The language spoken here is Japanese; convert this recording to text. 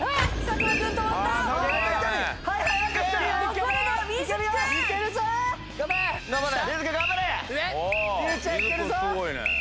藤井ちゃんいけるぞ！